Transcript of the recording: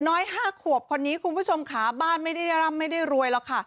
น้อย๕ขวบคนนี้คุณผู้ชมขาบ้านไม่ได้ร่ำไม่ได้รวยหรอกค่ะ